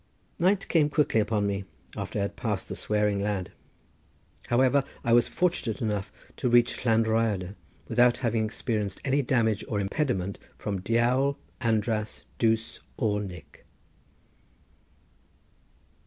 Night came quickly upon me after I had passed the swearing lad. However, I was fortunate enough to reach Llan Rhyadr, without having experienced any damage or impediment from Diawl, András, Duse or Nick.